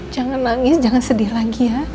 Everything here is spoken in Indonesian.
jangan nangis jangan sedih lagi ya